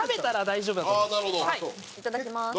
いただきます。